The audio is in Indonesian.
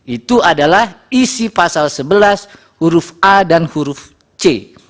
itu adalah isi pasal sebelas huruf a dan huruf c